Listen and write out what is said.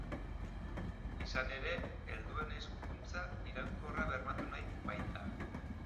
Izan ere, Helduen Hezkuntza Irunkorra bermatu nahi baita.